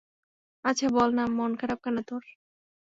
আচ্ছা, বল না মন কেন খারাপ তোর?